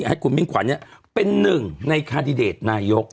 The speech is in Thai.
ให้คุณมิ่งขวัญเนี่ยเป็น๑ในคาร์ดิเดตนายก